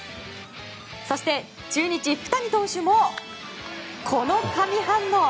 そして、中日、福谷投手もこの神反応。